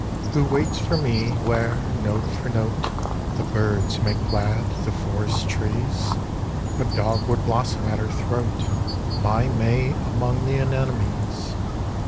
Who waits for me, where, note for note, The birds make glad the forest trees? A dogwood blossom at her throat, My May among the anemones.